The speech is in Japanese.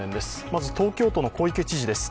まず東京都の小池知事です。